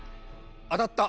当たった。